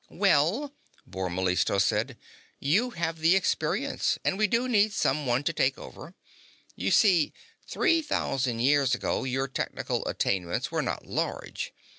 _" "Well," Bor Mellistos said, "you have the experience. And we do need someone to take over. You see, three thousand years ago your technical attainments were not large.